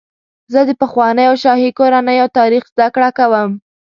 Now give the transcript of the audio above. زه د پخوانیو شاهي کورنیو تاریخ زدهکړه کوم.